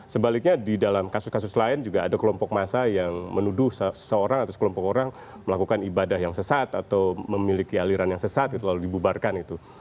sebaliknya di dalam kasus kasus lain juga ada kelompok massa yang menuduh seseorang atau sekelompok orang melakukan ibadah yang sesat atau memiliki aliran yang sesat gitu lalu dibubarkan itu